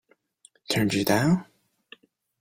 Turned you down?